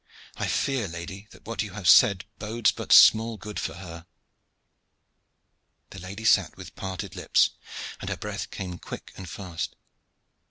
"I fear, lady, that what you have said bodes but small good for her." The lady sat with parted lips, and her breath came quick and fast.